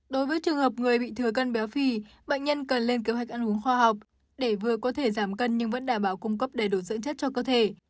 đối với trường hợp người bị thừa cân béo phì bệnh nhân cần lên kế hoạch ăn uống khoa học để vừa có thể giảm cân nhưng vẫn đảm bảo cung cấp đầy đủ dưỡng chất cho cơ thể